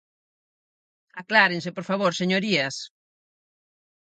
Aclárense, por favor, señorías.